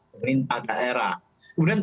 pemerintah daerah kemudian